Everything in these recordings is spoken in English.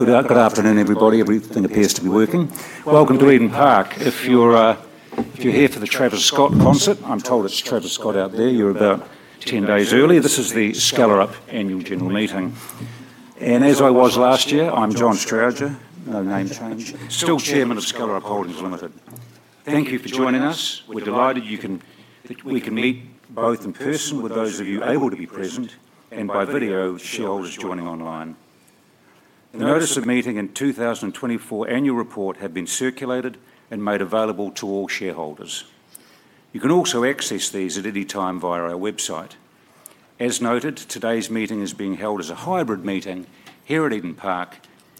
Good afternoon, everybody. Everything appears to be working. Welcome to Eden Park. If you're, if you're here for the Travis Scott concert, I'm told it's Travis Scott out there, you're about ten days early. This is the Skellerup Annual General Meeting. And as I was last year, I'm John Strowger, no name change, still Chairman of Skellerup Holdings Limited. Thank you for joining us. We're delighted you can, that we can meet both in person with those of you able to be present and by video with shareholders joining online. The notice of meeting and two thousand and 24 annual report have been circulated and made available to all shareholders. You can also access these at any time via our website. As noted, today's meeting is being held as a hybrid meeting here at Eden Park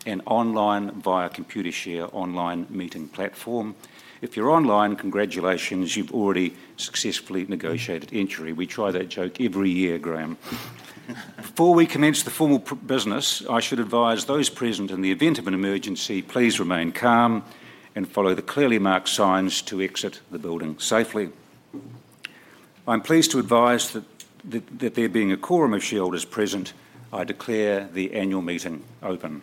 and online via Computershare online meeting platform. If you're online, congratulations, you've already successfully negotiated entry. We try that joke every year, Graham. Before we commence the formal business, I should advise those present in the event of an emergency, please remain calm and follow the clearly marked signs to exit the building safely. I'm pleased to advise that there being a quorum of shareholders present, I declare the annual meeting open.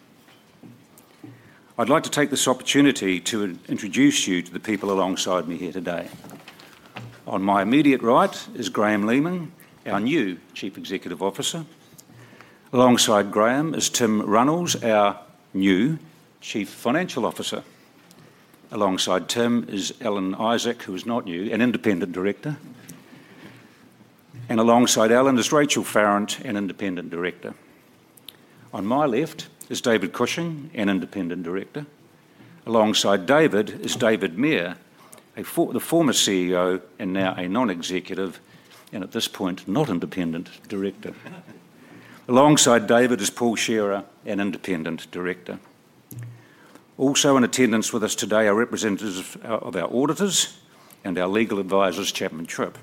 I'd like to take this opportunity to introduce you to the people alongside me here today. On my immediate right is Graham Leaming, our new Chief Executive Officer. Alongside Graham is Tim Reynolds, our new Chief Financial Officer. Alongside Tim is Alan Isaac, who is not new, an independent director. Alongside Alan is Rachel Farrant, an independent director. On my left is David Cushing, an independent director. Alongside David is David Mair, the former CEO and now a non-executive, and at this point, not independent director. Alongside David is Paul Shearer, an independent director. Also in attendance with us today are representatives of our auditors and our legal advisors, Chapman Tripp.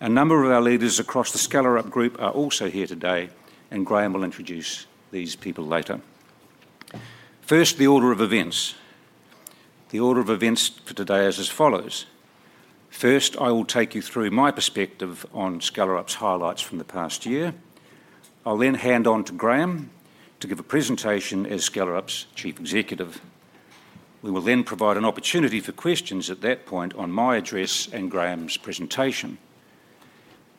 A number of our leaders across the Skellerup group are also here today, and Graham will introduce these people later. First, the order of events. The order of events for today is as follows: first, I will take you through my perspective on Skellerup's highlights from the past year. I'll then hand on to Graham to give a presentation as Skellerup's Chief Executive. We will then provide an opportunity for questions at that point on my address and Graham's presentation.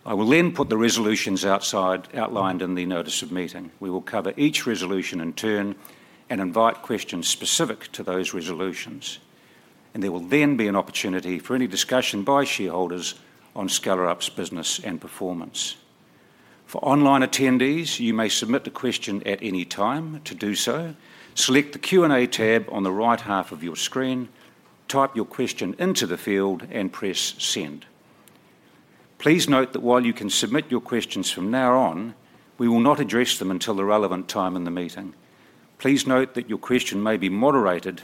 I will then put the resolutions outside, outlined in the notice of meeting. We will cover each resolution in turn and invite questions specific to those resolutions, and there will then be an opportunity for any discussion by shareholders on Skellerup's business and performance. For online attendees, you may submit a question at any time. To do so, select the Q&A tab on the right half of your screen, type your question into the field, and press Send. Please note that while you can submit your questions from now on, we will not address them until the relevant time in the meeting. Please note that your question may be moderated,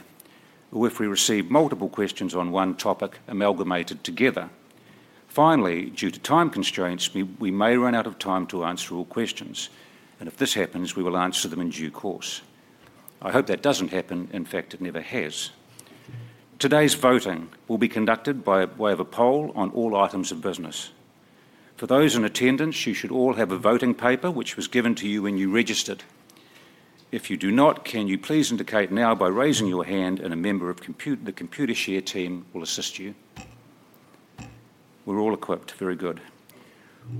or if we receive multiple questions on one topic, amalgamated together. Finally, due to time constraints, we may run out of time to answer all questions, and if this happens, we will answer them in due course. I hope that doesn't happen. In fact, it never has. Today's voting will be conducted by way of a poll on all items of business. For those in attendance, you should all have a voting paper which was given to you when you registered. If you do not, can you please indicate now by raising your hand, and a member of the Computershare team will assist you. We're all equipped. Very good.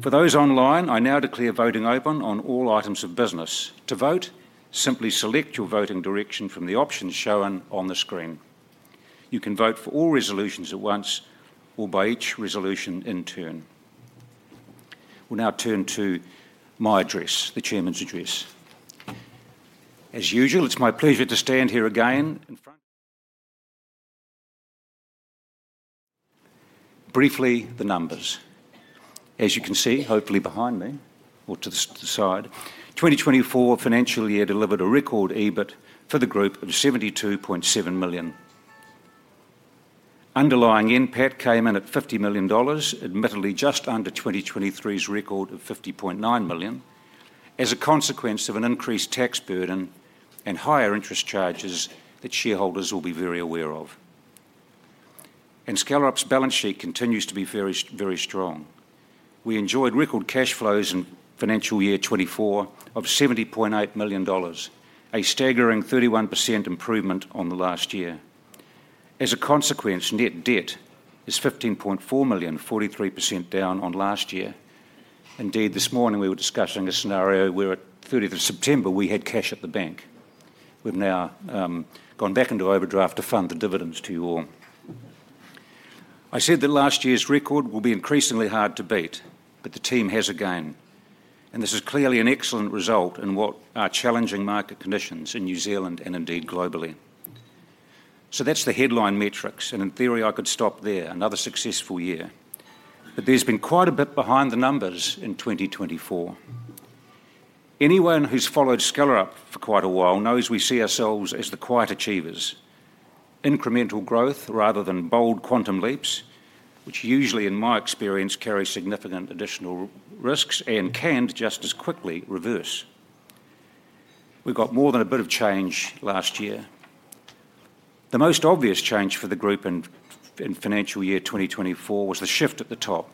For those online, I now declare voting open on all items of business. To vote, simply select your voting direction from the options shown on the screen. You can vote for all resolutions at once or by each resolution in turn. We'll now turn to my address, the chairman's address. As usual, it's my pleasure to stand here again in front... Briefly, the numbers. As you can see, hopefully behind me or to the side, 2024 financial year delivered a record EBIT for the group of 72.7 million. Underlying NPAT came in at 50 million dollars, admittedly just under 2023's record of 50.9 million, as a consequence of an increased tax burden and higher interest charges that shareholders will be very aware of. Skellerup's balance sheet continues to be very strong. We enjoyed record cash flows in financial year 2024 of 70.8 million dollars, a staggering 31% improvement on the last year. As a consequence, net debt is 15.4 million, 43% down on last year. Indeed, this morning, we were discussing a scenario where at the 30th of September, we had cash at the bank. We've now gone back into overdraft to fund the dividends to you all. I said that last year's record will be increasingly hard to beat, but the team has again, and this is clearly an excellent result in what are challenging market conditions in New Zealand and indeed globally. So that's the headline metrics, and in theory, I could stop there, another successful year, but there's been quite a bit behind the numbers in 2024. Anyone who's followed Skellerup for quite a while knows we see ourselves as the quiet achievers. Incremental growth rather than bold quantum leaps, which usually, in my experience, carry significant additional risks and can just as quickly reverse. We've got more than a bit of change last year.... The most obvious change for the group in financial year 2024 was the shift at the top.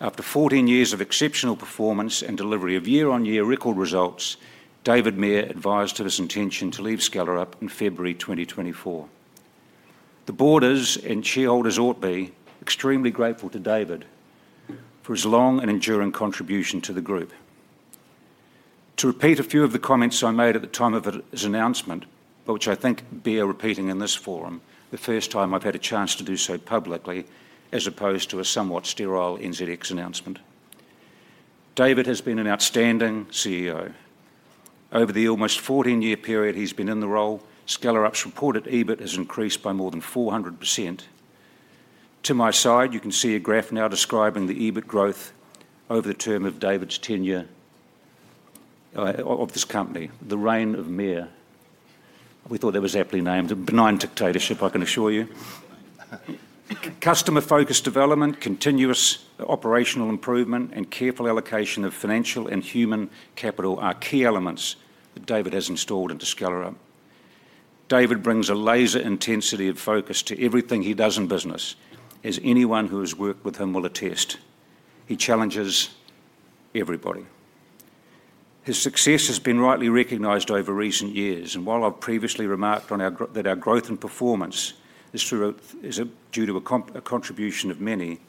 After fourteen years of exceptional performance and delivery of year-on-year record results, David Mair advised of his intention to leave Skellerup in February twenty 24. The board is, and shareholders ought be, extremely grateful to David for his long and enduring contribution to the group. To repeat a few of the comments I made at the time of his announcement, but which I think bear repeating in this forum, the first time I've had a chance to do so publicly, as opposed to a somewhat sterile NZX announcement. David has been an outstanding CEO. Over the almost fourteen-year period he's been in the role, Skellerup's reported EBIT has increased by more than 400%. To my side, you can see a graph now describing the EBIT growth over the term of David's tenure, of this company, the Reign of Mair. We thought that was aptly named, a benign dictatorship, I can assure you. Customer-focused development, continuous operational improvement, and careful allocation of financial and human capital are key elements that David has installed into Skellerup. David brings a laser intensity of focus to everything he does in business, as anyone who has worked with him will attest. He challenges everybody. His success has been rightly recognized over recent years, and while I've previously remarked on our growth and performance is due to a contribution of many,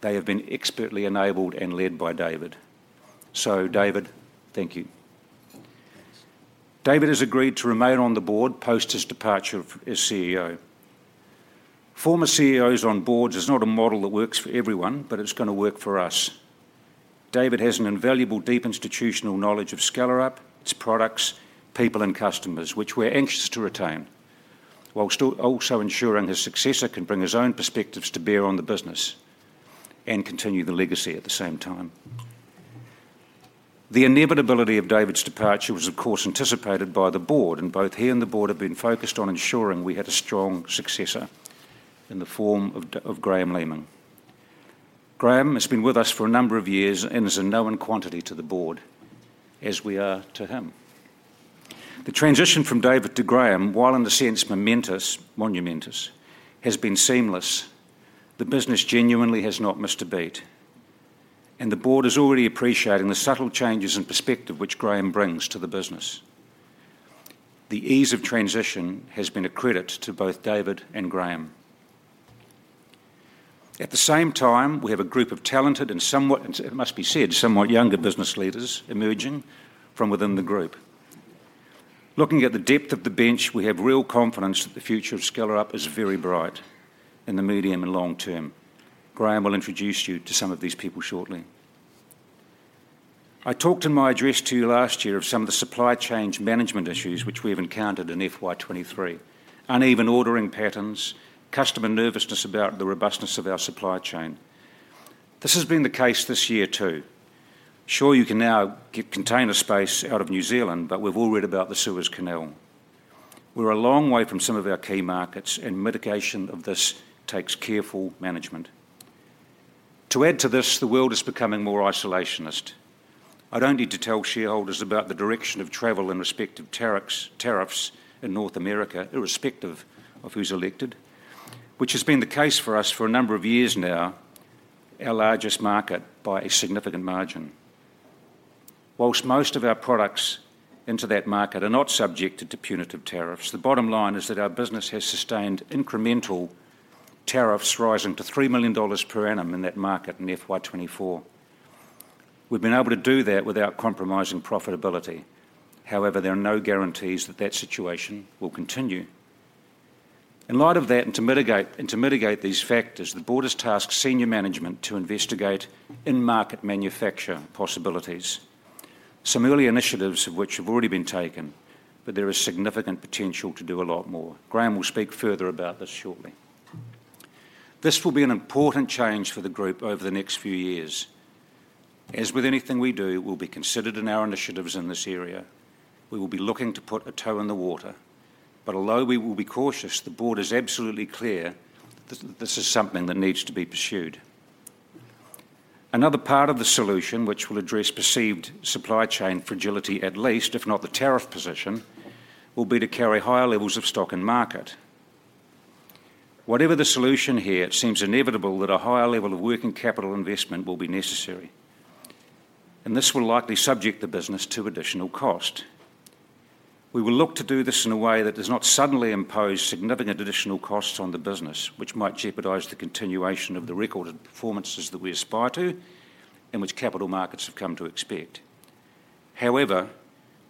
they have been expertly enabled and led by David. So, David, thank you. David has agreed to remain on the board post his departure as CEO. Former CEOs on boards is not a model that works for everyone, but it's gonna work for us. David has an invaluable, deep institutional knowledge of Skellerup, its products, people, and customers, which we're anxious to retain, while still also ensuring his successor can bring his own perspectives to bear on the business and continue the legacy at the same time. The inevitability of David's departure was, of course, anticipated by the board, and both he and the board have been focused on ensuring we had a strong successor in the form of Graham Leaming. Graham has been with us for a number of years and is a known quantity to the board, as we are to him. The transition from David to Graham, while in the sense momentous, has been seamless. The business genuinely has not missed a beat, and the board is already appreciating the subtle changes in perspective which Graham brings to the business. The ease of transition has been a credit to both David and Graham. At the same time, we have a group of talented and somewhat, it must be said, somewhat younger business leaders emerging from within the group. Looking at the depth of the bench, we have real confidence that the future of Skellerup is very bright in the medium and long term. Graham will introduce you to some of these people shortly. I talked in my address to you last year of some of the supply chain management issues which we've encountered in FY 2023: uneven ordering patterns, customer nervousness about the robustness of our supply chain. This has been the case this year, too. Sure, you can now get container space out of New Zealand, but we've all read about the Suez Canal. We're a long way from some of our key markets, and mitigation of this takes careful management. To add to this, the world is becoming more isolationist. I don't need to tell shareholders about the direction of travel in respect of tariffs, tariffs in North America, irrespective of who's elected, which has been the case for us for a number of years now, our largest market by a significant margin. While most of our products into that market are not subjected to punitive tariffs, the bottom line is that our business has sustained incremental tariffs rising to 3 million dollars per annum in that market in FY 2024. We've been able to do that without compromising profitability. However, there are no guarantees that that situation will continue. In light of that, and to mitigate, and to mitigate these factors, the board has tasked senior management to investigate in-market manufacture possibilities. Some early initiatives of which have already been taken, but there is significant potential to do a lot more. Graham will speak further about this shortly. This will be an important change for the group over the next few years. As with anything we do, we'll be considered in our initiatives in this area. We will be looking to put a toe in the water. But although we will be cautious, the board is absolutely clear that this is something that needs to be pursued. Another part of the solution, which will address perceived supply chain fragility, at least, if not the tariff position, will be to carry higher levels of stock in market. Whatever the solution here, it seems inevitable that a higher level of working capital investment will be necessary, and this will likely subject the business to additional cost. We will look to do this in a way that does not suddenly impose significant additional costs on the business, which might jeopardize the continuation of the recorded performances that we aspire to and which capital markets have come to expect. However,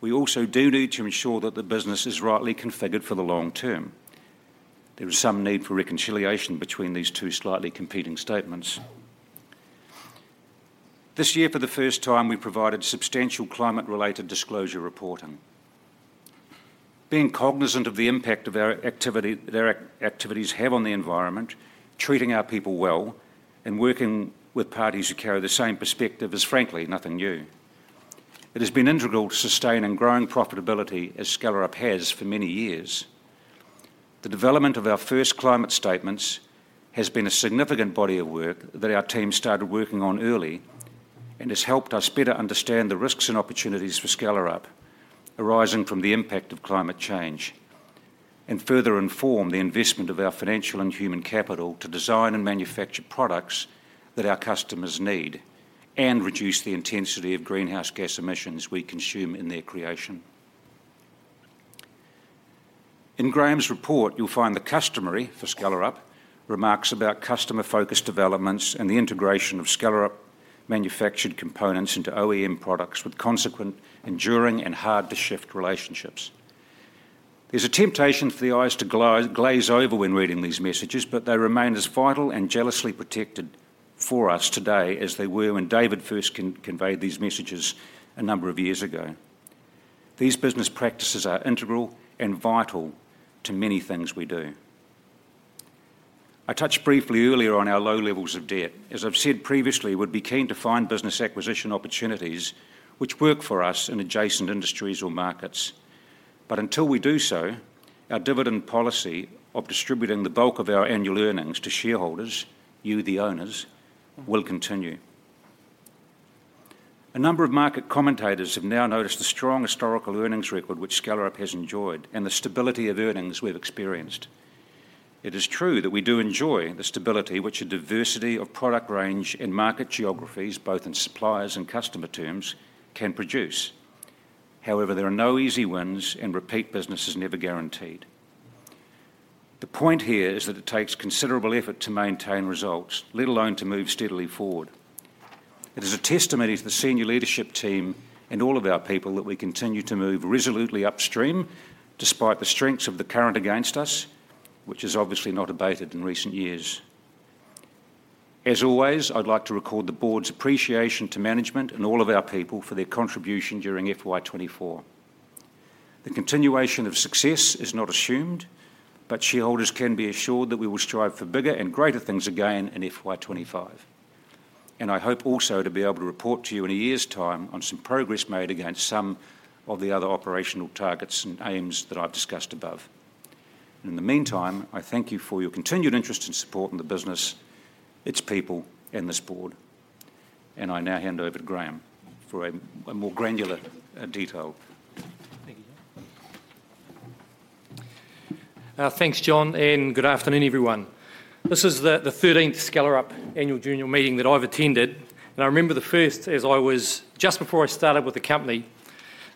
we also do need to ensure that the business is rightly configured for the long term. There is some need for reconciliation between these two slightly competing statements. This year, for the first time, we provided substantial climate-related disclosure reporting. Being cognizant of the impact of our activity, that our activities have on the environment, treating our people well, and working with parties who carry the same perspective is frankly nothing new. It has been integral to sustain and growing profitability as Skellerup has for many years. The development of our first climate statements has been a significant body of work that our team started working on early-... And has helped us better understand the risks and opportunities for Skellerup arising from the impact of climate change, and further inform the investment of our financial and human capital to design and manufacture products that our customers need, and reduce the intensity of greenhouse gas emissions we consume in their creation. In Graham's report, you'll find the customary, for Skellerup, remarks about customer-focused developments and the integration of Skellerup manufactured components into OEM products with consequent, enduring, and hard-to-shift relationships. There's a temptation for the eyes to glaze over when reading these messages, but they remain as vital and jealously protected for us today as they were when David first conveyed these messages a number of years ago. These business practices are integral and vital to many things we do. I touched briefly earlier on our low levels of debt. As I've said previously, we'd be keen to find business acquisition opportunities which work for us in adjacent industries or markets. But until we do so, our dividend policy of distributing the bulk of our annual earnings to shareholders, you, the owners, will continue. A number of market commentators have now noticed the strong historical earnings record which Skellerup has enjoyed, and the stability of earnings we've experienced. It is true that we do enjoy the stability which a diversity of product range and market geographies, both in suppliers and customer terms, can produce. However, there are no easy wins, and repeat business is never guaranteed. The point here is that it takes considerable effort to maintain results, let alone to move steadily forward. It is a testimony to the senior leadership team and all of our people that we continue to move resolutely upstream, despite the strengths of the current against us, which has obviously not abated in recent years. As always, I'd like to record the board's appreciation to management and all of our people for their contribution during FY 24. The continuation of success is not assumed, but shareholders can be assured that we will strive for bigger and greater things again in FY 25. And I hope also to be able to report to you in a year's time on some progress made against some of the other operational targets and aims that I've discussed above. In the meantime, I thank you for your continued interest and support in the business, its people, and this board. And I now hand over to Graham for a more granular detail. Thank you. John. Thanks, John, and good afternoon, everyone. This is the thirteenth Skellerup annual general meeting that I've attended, and I remember the first as I was just before I started with the company,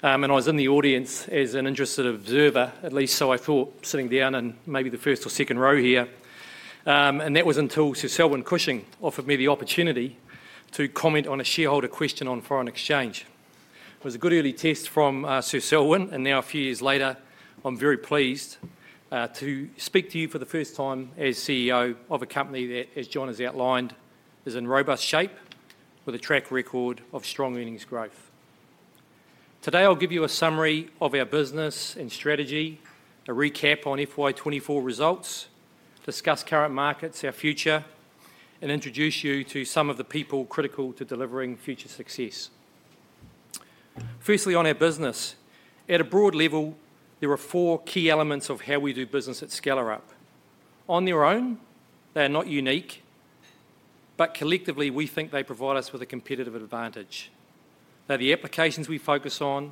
and I was in the audience as an interested observer, at least so I thought, sitting down in maybe the first or second row here. And that was until Sir Selwyn Cushing offered me the opportunity to comment on a shareholder question on foreign exchange. It was a good early test from Sir Selwyn, and now a few years later, I'm very pleased to speak to you for the first time as CEO of a company that, as John has outlined, is in robust shape with a track record of strong earnings growth. Today, I'll give you a summary of our business and strategy, a recap on FY 2024 results, discuss current markets, our future, and introduce you to some of the people critical to delivering future success. First, on our business. At a broad level, there are four key elements of how we do business at Skellerup. On their own, they are not unique, but collectively, we think they provide us with a competitive advantage. They're the applications we focus on,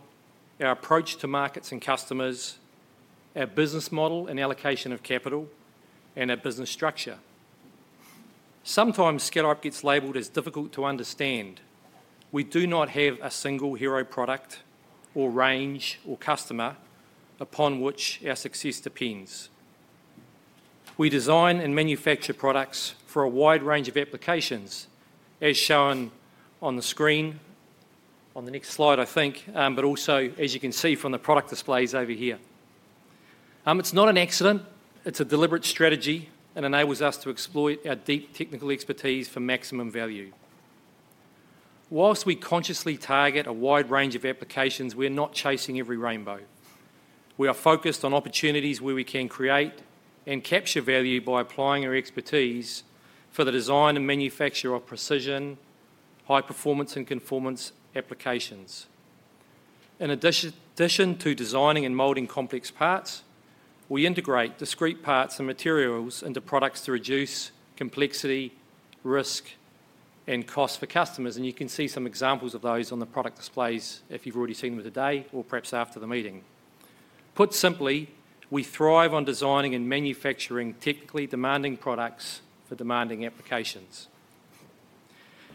our approach to markets and customers, our business model and allocation of capital, and our business structure. Sometimes, Skellerup gets labeled as difficult to understand. We do not have a single hero product or range or customer upon which our success depends. We design and manufacture products for a wide range of applications, as shown on the screen, on the next slide, I think, but also, as you can see from the product displays over here. It's not an accident. It's a deliberate strategy and enables us to exploit our deep technical expertise for maximum value. While we consciously target a wide range of applications, we're not chasing every rainbow. We are focused on opportunities where we can create and capture value by applying our expertise for the design and manufacture of precision, high performance and conformance applications. In addition to designing and molding complex parts, we integrate discrete parts and materials into products to reduce complexity, risk, and cost for customers, and you can see some examples of those on the product displays if you've already seen them today or perhaps after the meeting. Put simply, we thrive on designing and manufacturing technically demanding products for demanding applications.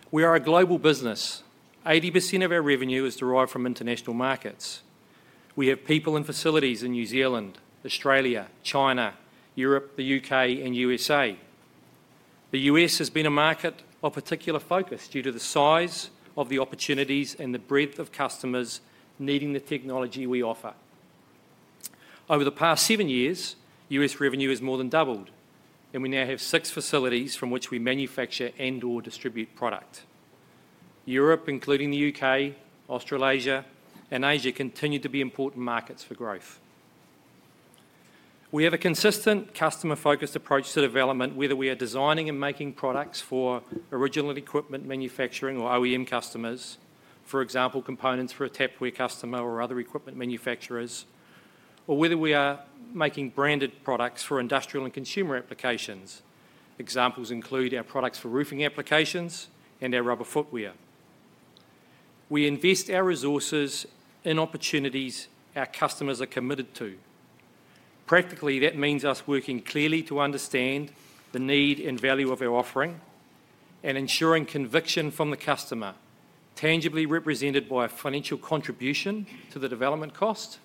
We are a global business. 80% of our revenue is derived from international markets. We have people and facilities in New Zealand, Australia, China, Europe, the U.K., and U.S.A. The U.S. has been a market of particular focus due to the size of the opportunities and the breadth of customers needing the technology we offer. Over the past seven years, U.S. revenue has more than doubled, and we now have six facilities from which we manufacture and/or distribute product. Europe, including the U.K., Australasia, and Asia, continue to be important markets for growth. We have a consistent customer-focused approach to development, whether we are designing and making products for original equipment manufacturing or OEM customers, for example, components for a Tapware customer or other equipment manufacturers... or whether we are making branded products for industrial and consumer applications. Examples include our products for roofing applications and our rubber footwear. We invest our resources in opportunities our customers are committed to. Practically, that means us working clearly to understand the need and value of our offering, and ensuring conviction from the customer, tangibly represented by a financial contribution to the development cost,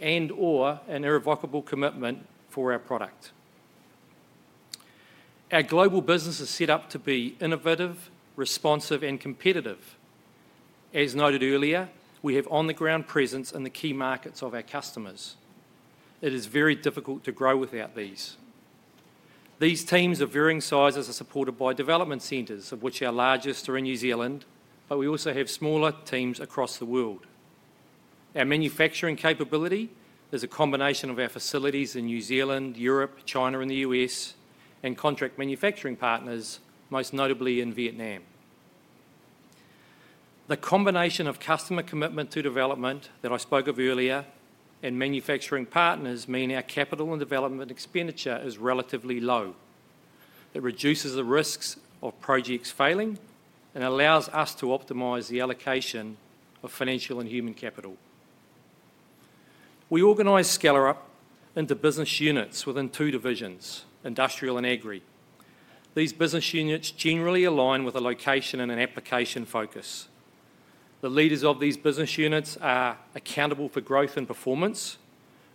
and/or an irrevocable commitment for our product. Our global business is set up to be innovative, responsive, and competitive. As noted earlier, we have on-the-ground presence in the key markets of our customers. It is very difficult to grow without these. These teams of varying sizes are supported by development centers, of which our largest are in New Zealand, but we also have smaller teams across the world. Our manufacturing capability is a combination of our facilities in New Zealand, Europe, China, and the U.S., and contract manufacturing partners, most notably in Vietnam. The combination of customer commitment to development, that I spoke of earlier, and manufacturing partners mean our capital and development expenditure is relatively low. It reduces the risks of projects failing and allows us to optimize the allocation of financial and human capital. We organize Skellerup into business units within two divisions, industrial and agri. These business units generally align with a location and an application focus. The leaders of these business units are accountable for growth and performance,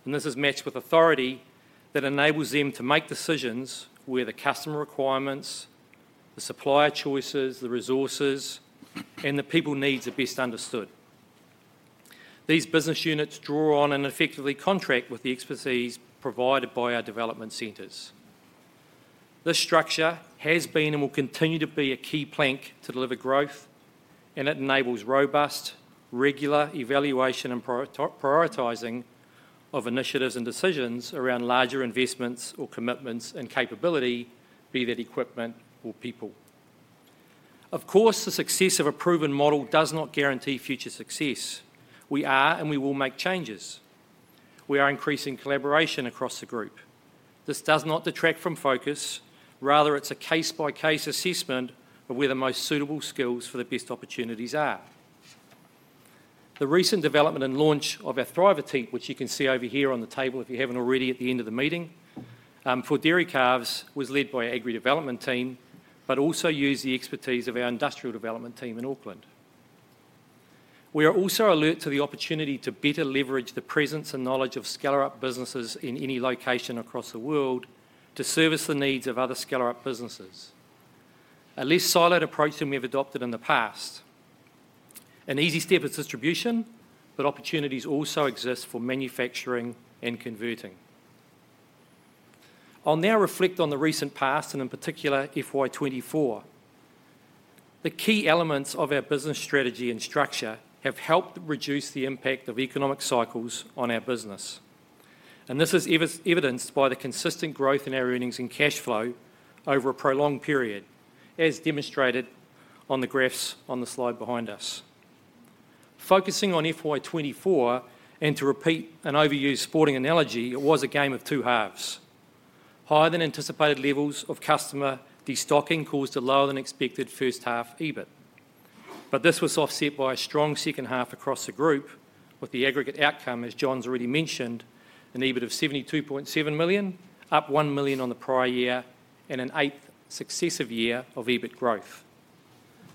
and this is matched with authority that enables them to make decisions where the customer requirements, the supplier choices, the resources, and the people needs are best understood. These business units draw on and effectively contract with the expertise provided by our development centers. This structure has been, and will continue to be, a key plank to deliver growth, and it enables robust, regular evaluation and prioritizing of initiatives and decisions around larger investments or commitments and capability, be that equipment or people. Of course, the success of a proven model does not guarantee future success. We are and we will make changes. We are increasing collaboration across the group. This does not detract from focus, rather it's a case-by-case assessment of where the most suitable skills for the best opportunities are. The recent development and launch of our Thrivr team, which you can see over here on the table if you haven't already at the end of the meeting, for dairy calves, was led by Agri Development team, but also used the expertise of our Industrial Development team in Auckland. We are also alert to the opportunity to better leverage the presence and knowledge of Skellerup businesses in any location across the world to service the needs of other Skellerup businesses, a less siloed approach than we have adopted in the past. An easy step is distribution, but opportunities also exist for manufacturing and converting. I'll now reflect on the recent past, and in particular, FY 24. The key elements of our business strategy and structure have helped reduce the impact of economic cycles on our business, and this is evidenced by the consistent growth in our earnings and cash flow over a prolonged period, as demonstrated on the graphs on the slide behind us. Focusing on FY 24, and to repeat an overused sporting analogy, it was a game of two halves. Higher than anticipated levels of customer destocking caused a lower than expected first half EBIT, but this was offset by a strong second half across the group, with the aggregate outcome, as John's already mentioned, an EBIT of 72.7 million, up 1 million on the prior year, and an eighth successive year of EBIT growth.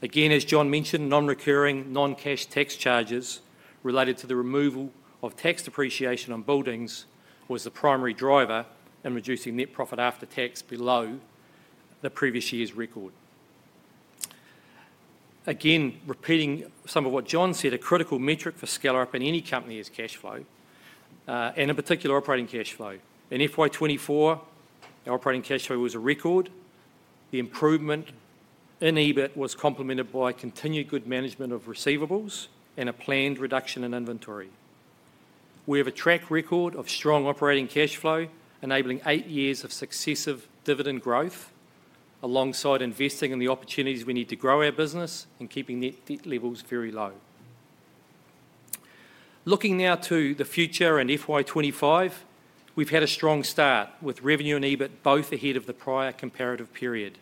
Again, as John mentioned, non-recurring, non-cash tax charges related to the removal of tax depreciation on buildings was the primary driver in reducing net profit after tax below the previous year's record. Again, repeating some of what John said, a critical metric for Skellerup and any company is cash flow, and in particular, operating cash flow. In FY 2024, our operating cash flow was a record. The improvement in EBIT was complemented by continued good management of receivables and a planned reduction in inventory. We have a track record of strong operating cash flow, enabling eight years of successive dividend growth, alongside investing in the opportunities we need to grow our business and keeping net debt levels very low. Looking now to the future and FY 2025, we've had a strong start, with revenue and EBIT both ahead of the prior comparative period.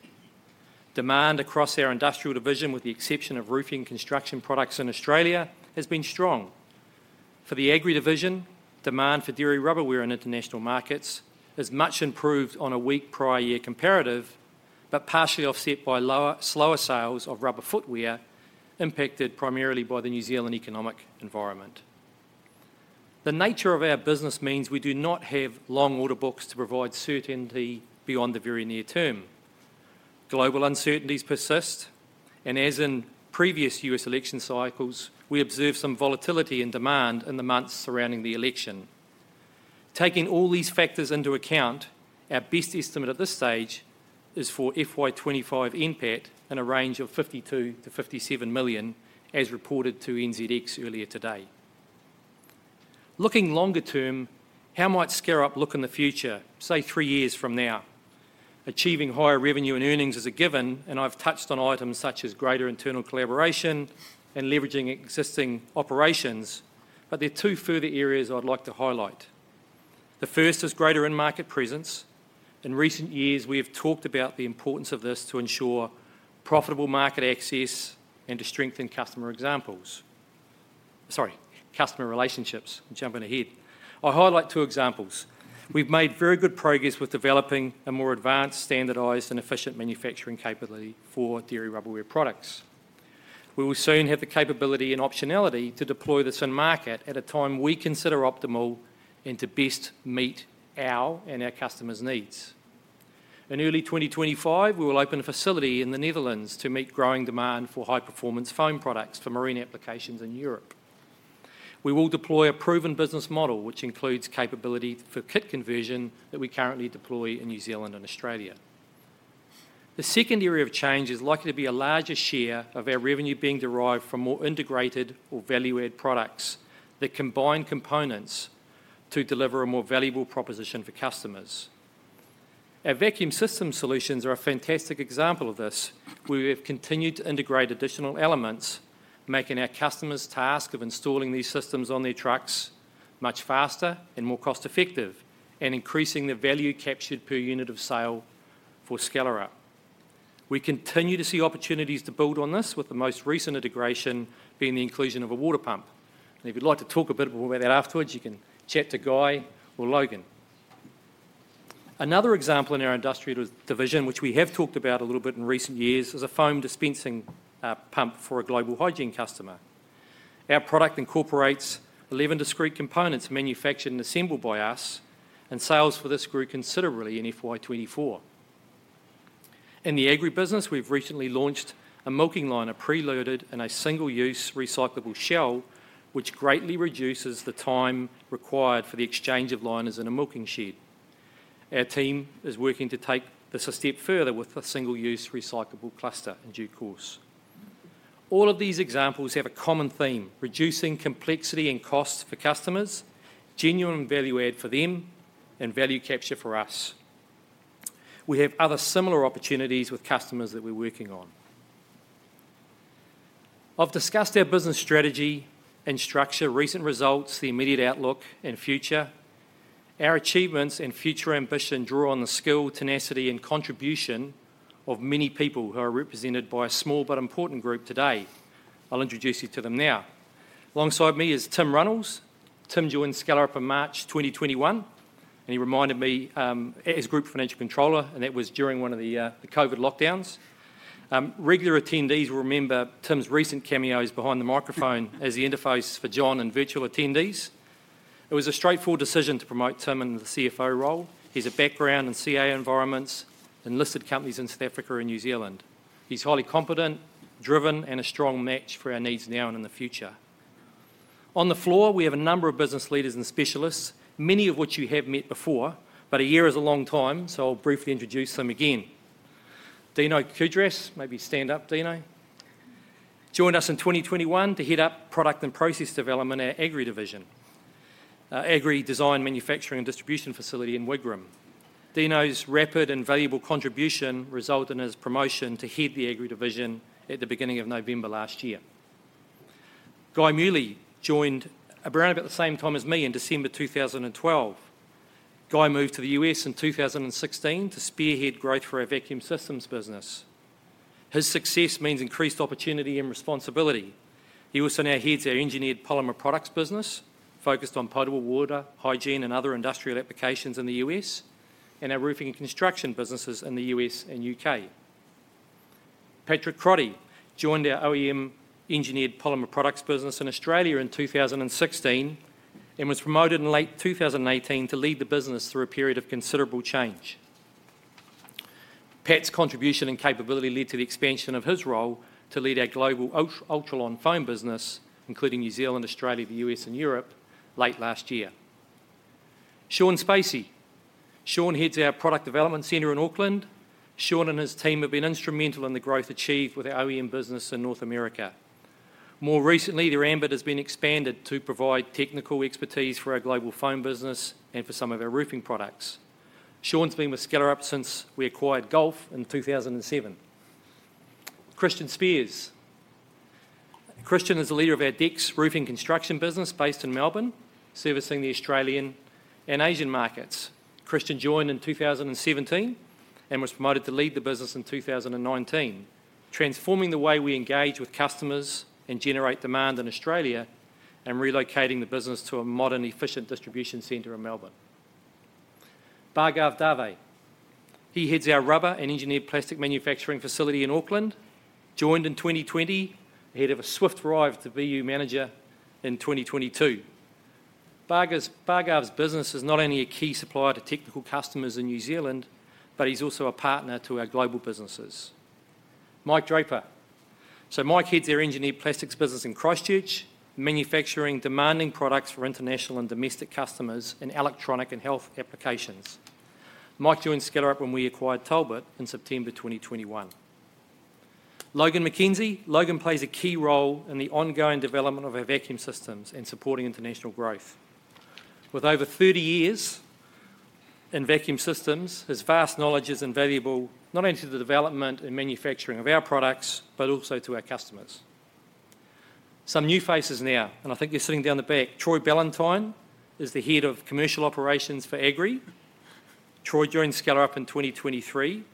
Demand across our industrial division, with the exception of roofing construction products in Australia, has been strong. For the agri division, demand for dairy rubberware in international markets has much improved on a weak prior year comparative, but partially offset by lower, slower sales of rubber footwear, impacted primarily by the New Zealand economic environment. The nature of our business means we do not have long order books to provide certainty beyond the very near term. Global uncertainties persist, and as in previous U.S. election cycles, we observe some volatility and demand in the months surrounding the election. Taking all these factors into account, our best estimate at this stage is for FY 25 NPAT in a range of 52-57 million, as reported to NZX earlier today. Looking longer term, how might Skellerup look in the future, say, three years from now? Achieving higher revenue and earnings is a given, and I've touched on items such as greater internal collaboration and leveraging existing operations, but there are two further areas I'd like to highlight. The first is greater in-market presence. In recent years, we have talked about the importance of this to ensure profitable market access and to strengthen customer examples. Sorry, customer relationships. I'm jumping ahead. I'll highlight two examples. We've made very good progress with developing a more advanced, standardized, and efficient manufacturing capability for dairy rubberware products. We will soon have the capability and optionality to deploy this in market at a time we consider optimal and to best meet our and our customers' needs. In early 2025, we will open a facility in the Netherlands to meet growing demand for high-performance foam products for marine applications in Europe. We will deploy a proven business model, which includes capability for kit conversion that we currently deploy in New Zealand and Australia. The second area of change is likely to be a larger share of our revenue being derived from more integrated or value-add products that combine components to deliver a more valuable proposition for customers. Our vacuum system solutions are a fantastic example of this, where we have continued to integrate additional elements, making our customers' task of installing these systems on their trucks much faster and more cost-effective and increasing the value captured per unit of sale for Skellerup. We continue to see opportunities to build on this, with the most recent integration being the inclusion of a water pump. And if you'd like to talk a bit more about that afterwards, you can chat to Guy or Logan. Another example in our industrial division, which we have talked about a little bit in recent years, is a foam dispensing pump for a global hygiene customer. Our product incorporates eleven discrete components manufactured and assembled by us, and sales for this grew considerably in FY 24. In the agri business, we've recently launched a milking liner, preloaded in a single-use recyclable shell, which greatly reduces the time required for the exchange of liners in a milking shed. Our team is working to take this a step further with a single-use recyclable cluster in due course. All of these examples have a common theme: reducing complexity and cost for customers, genuine value add for them, and value capture for us. We have other similar opportunities with customers that we're working on. I've discussed our business strategy and structure, recent results, the immediate outlook, and future. Our achievements and future ambition draw on the skill, tenacity, and contribution of many people who are represented by a small but important group today. I'll introduce you to them now. Alongside me is Tim Reynolds. Tim joined Skellerup in March 2021, and he reminded me, as Group Financial Controller, and that was during one of the, the COVID lockdowns. Regular attendees will remember Tim's recent cameos behind the microphone as the interface for John and virtual attendees. It was a straightforward decision to promote Tim into the CFO role. He has a background in CA environments and listed companies in South Africa and New Zealand. He's highly competent, driven, and a strong match for our needs now and in the future. On the floor, we have a number of business leaders and specialists, many of which you have met before, but a year is a long time, so I'll briefly introduce them again. Dino Kudrass, maybe stand up, Dino, joined us in twenty twenty-one to head up product and process development at Agri Division, Agri Design, Manufacturing, and Distribution facility in Wigram. Dino's rapid and valuable contribution resulted in his promotion to head the Agri Division at the beginning of November last year. Guy Muly joined around about the same time as me in December 2012. Guy moved to the U.S. in 2016 to spearhead growth for our vacuum systems business. His success means increased opportunity and responsibility. He also now heads our engineered polymer products business, focused on potable water, hygiene, and other industrial applications in the U.S., and our roofing and construction businesses in the U.S. and U.K. Patrick Crotty joined our OEM engineered polymer products business in Australia in 2016 and was promoted in late 2018 to lead the business through a period of considerable change. Pat's contribution and capability led to the expansion of his role to lead our global Ultralon Foam business, including New Zealand, Australia, the U.S., and Europe, late last year. Sean Spacey. Sean heads our product development center in Auckland. Sean and his team have been instrumental in the growth achieved with our OEM business in North America. More recently, their ambit has been expanded to provide technical expertise for our global foam business and for some of our roofing products. Sean's been with Skellerup since we acquired Gulf in 2007. Christian Spears. Christian is the leader of our DEKS roofing construction business based in Melbourne, servicing the Australian and Asian markets. Christian joined in 2017 and was promoted to lead the business in 2019, transforming the way we engage with customers and generate demand in Australia and relocating the business to a modern, efficient distribution center in Melbourne. Bhargav Dave. He heads our rubber and engineered plastic manufacturing facility in Auckland, joined in twenty twenty, ahead of a swift rise to VU manager in twenty twenty-two. Bhargav's business is not only a key supplier to technical customers in New Zealand, but he's also a partner to our global businesses. Mike Draper. So Mike heads our engineered plastics business in Christchurch, manufacturing demanding products for international and domestic customers in electronic and health applications. Mike joined Skellerup when we acquired Talbot in September 2021. Logan McKenzie. Logan plays a key role in the ongoing development of our vacuum systems and supporting international growth. With over thirty years in vacuum systems, his vast knowledge is invaluable, not only to the development and manufacturing of our products, but also to our customers. Some new faces now, and I think they're sitting down the back. Troy Ballantine is the Head of Commercial Operations for Agri. Troy joined Skellerup in 2023,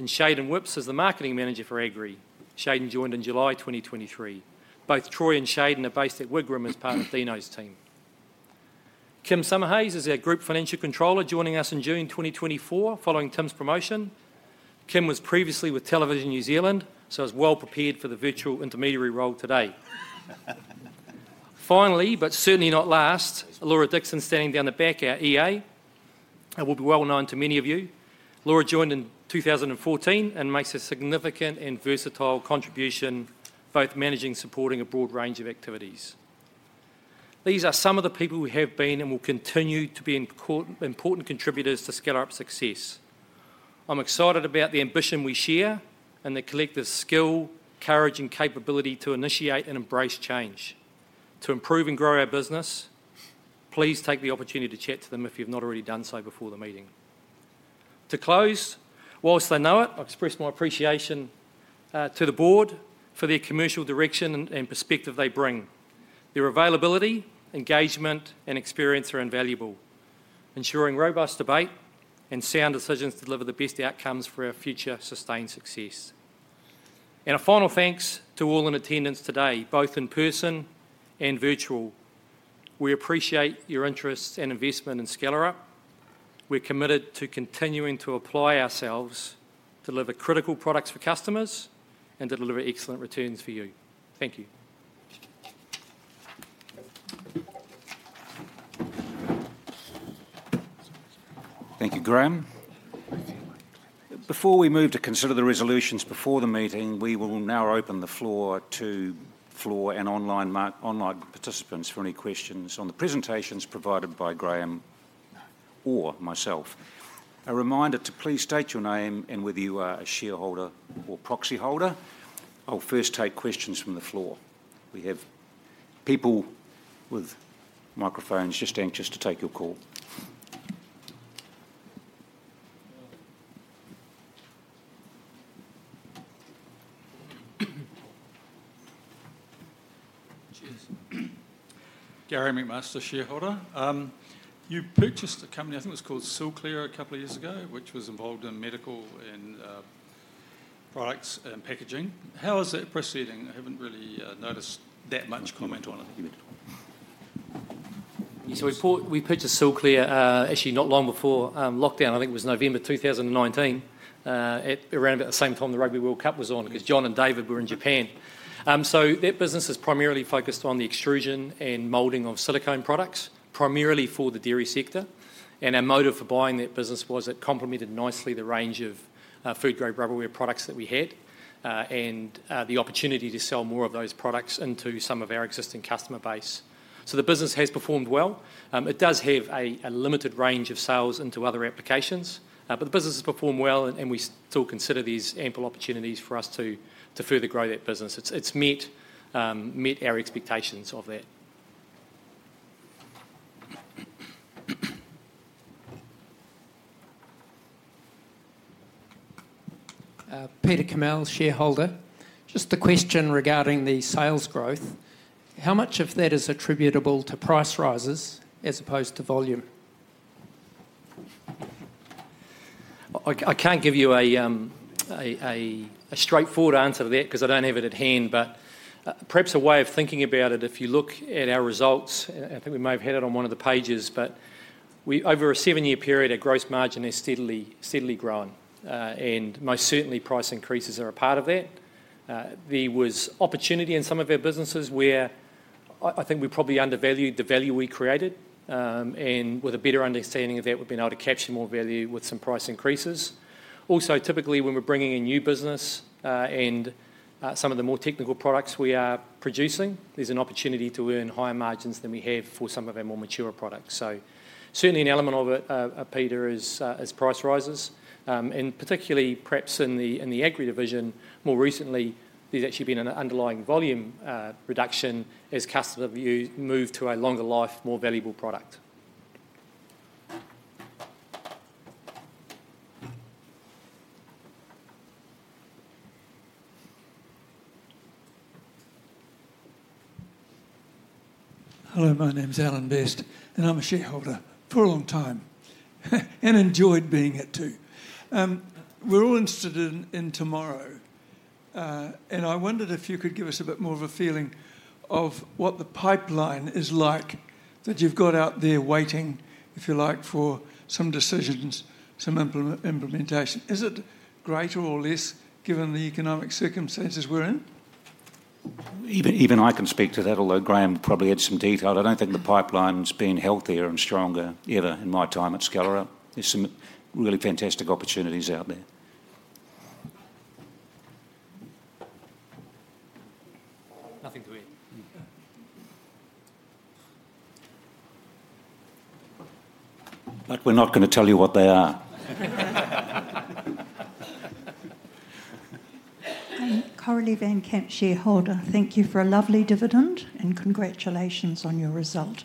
and Shayden Whipps is the Marketing Manager for Agri. Shayden joined in July 2023. Both Troy and Shayden are based at Wigram as part of Dino's team. Kim Summerhays is our Group Financial Controller, joining us in June 2024, following Tim's promotion. Kim was previously with Television New Zealand, so is well-prepared for the virtual intermediary role today. Finally, but certainly not last, Laura Dixon, standing down the back, our EA, and will be well known to many of you. Laura joined in 2014 and makes a significant and versatile contribution, both managing and supporting a broad range of activities. These are some of the people who have been and will continue to be important contributors to Skellerup's success. I'm excited about the ambition we share and the collective skill, courage, and capability to initiate and embrace change, to improve and grow our business. Please take the opportunity to chat to them if you've not already done so before the meeting. To close, while they know it, I've expressed my appreciation to the board for their commercial direction and perspective they bring. Their availability, engagement, and experience are invaluable, ensuring robust debate and sound decisions to deliver the best outcomes for our future sustained success, and a final thanks to all in attendance today, both in person and virtual. We appreciate your interest and investment in Skellerup. We're committed to continuing to apply ourselves, deliver critical products for customers, and to deliver excellent returns for you. Thank you. Thank you, Graham. Before we move to consider the resolutions before the meeting, we will now open the floor to floor and online participants for any questions on the presentations provided by Graham or myself. A reminder to please state your name and whether you are a shareholder or proxy holder. I'll first take questions from the floor. We have people with microphones just anxious to take your call. Cheers. Gary McMaster, shareholder. You purchased a company, I think it was called Silclear, a couple of years ago, which was involved in medical and products and packaging. How is that proceeding? I haven't really noticed that much comment on it. So we bought, we purchased Silclear, actually not long before lockdown. I think it was November 2019, at around about the same time the Rugby World Cup was on, because John and David were in Japan. So that business is primarily focused on the extrusion and molding of silicone products, primarily for the dairy sector, and our motive for buying that business was it complemented nicely the range of food-grade rubberware products that we had, and the opportunity to sell more of those products into some of our existing customer base. So the business has performed well. It does have a limited range of sales into other applications, but the business has performed well, and we still consider these ample opportunities for us to further grow that business. It's met our expectations of that. Peter Kamel, shareholder. Just a question regarding the sales growth. How much of that is attributable to price rises as opposed to volume? I can't give you a straightforward answer to that, 'cause I don't have it at hand, but perhaps a way of thinking about it, if you look at our results, I think we may have had it on one of the pages, but we... Over a seven-year period, our gross margin has steadily grown, and most certainly, price increases are a part of that. There was opportunity in some of our businesses where I think we probably undervalued the value we created, and with a better understanding of that, we've been able to capture more value with some price increases. Also, typically, when we're bringing in new business, and some of the more technical products we are producing, there's an opportunity to earn higher margins than we have for some of our more mature products. So certainly an element of it, Peter, is price rises, and particularly perhaps in the agri division, more recently, there's actually been an underlying volume reduction as customers who've moved to a longer life, more valuable product. Hello, my name is Alan Best, and I'm a shareholder for a long time, and enjoyed being it, too. We're all interested in tomorrow, and I wondered if you could give us a bit more of a feeling of what the pipeline is like, that you've got out there waiting, if you like, for some decisions, some implementation. Is it greater or less, given the economic circumstances we're in? Even, even I can speak to that, although Graham will probably add some detail. I don't think the pipeline's been healthier and stronger ever in my time at Skellerup. There's some really fantastic opportunities out there. Nothing to add. But we're not gonna tell you what they are. I'm Coralie Van Camp, shareholder. Thank you for a lovely dividend, and congratulations on your result.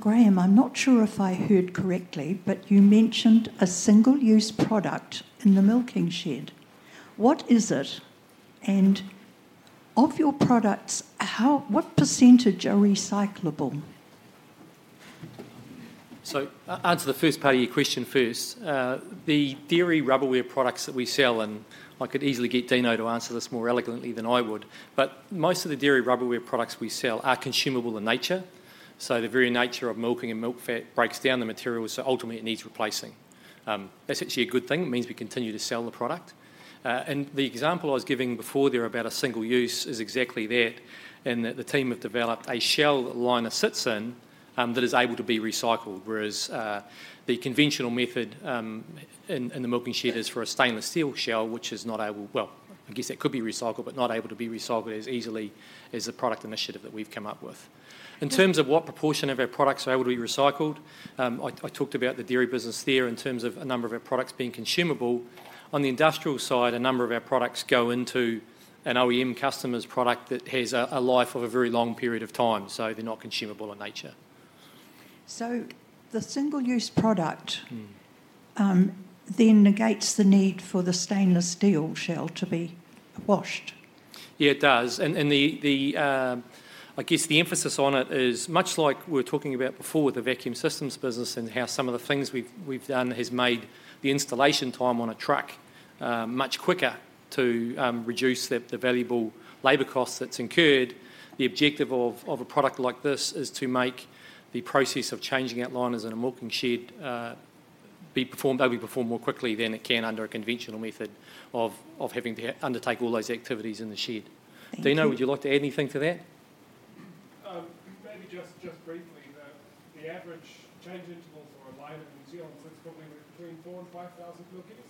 Graham, I'm not sure if I heard correctly, but you mentioned a single-use product in the milking shed. What is it? And of your products, how, what % are recyclable? So, answer the first part of your question first. The dairy rubberware products that we sell, and I could easily get Dino to answer this more eloquently than I would, but most of the dairy rubberware products we sell are consumable in nature, so the very nature of milking and milk fat breaks down the material, so ultimately it needs replacing. That's actually a good thing. It means we continue to sell the product. And the example I was giving before there about a single use is exactly that, in that the team have developed a shell the liner sits in, that is able to be recycled, whereas, the conventional method, in the milking shed is for a stainless steel shell, which is not able... I guess it could be recycled, but not able to be recycled as easily as the product initiative that we've come up with. In terms of what proportion of our products are able to be recycled, I talked about the dairy business there in terms of a number of our products being consumable. On the industrial side, a number of our products go into an OEM customer's product that has a life of a very long period of time, so they're not consumable in nature. So the single-use product- Mm. then negates the need for the stainless steel shell to be washed? Yeah, it does, and the emphasis on it is much like we were talking about before with the vacuum systems business and how some of the things we've done has made the installation time on a truck much quicker to reduce the valuable labor cost that's incurred. The objective of a product like this is to make the process of changing out liners in a milking shed be performed, maybe performed more quickly than it can under a conventional method of having to undertake all those activities in the shed. Thank you. Dino, would you like to add anything to that? Maybe just, just briefly, the average change intervals for a liner in New Zealand sits probably between 4,000 and 5,000 milkings.